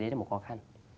đấy là một khó khăn